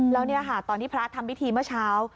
แล้วนี่ค่ะตอนที่พระทำพิธีเมื่อเช้า